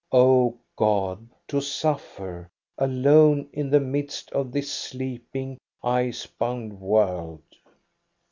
O God, to suffer alone in the midst of this sleeping, ice bound world